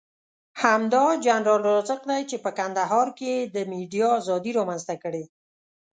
همدا جنرال رازق دی چې په کندهار کې یې د ميډيا ازادي رامنځته کړې.